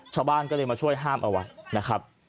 ชาวบ้านก็เลยมาช่วยห้ามเอาไว้นะครับ